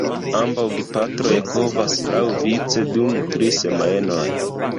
Ambaŭ gepatroj kovas laŭvice dum tri semajnoj.